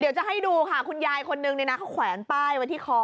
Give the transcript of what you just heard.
เดี๋ยวจะให้ดูค่ะคุณยายคนนึงเนี่ยนะเขาแขวนป้ายไว้ที่คอ